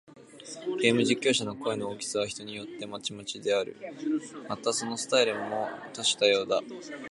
ゲーム実況者の声の大きさは、人によってまちまちである。また、そのスタイルも多種多様だ。